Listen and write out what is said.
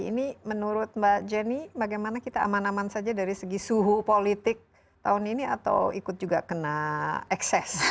ini menurut mbak jenny bagaimana kita aman aman saja dari segi suhu politik tahun ini atau ikut juga kena ekses